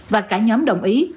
và cả nhóm đồng ý